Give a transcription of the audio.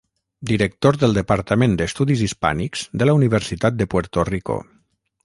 Director del Departament d'Estudis Hispànics de la Universitat de Puerto Rico.